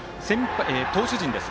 投手陣です。